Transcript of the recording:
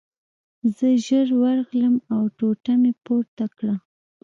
زه ژر ورغلم او ټوټه مې پورته کړه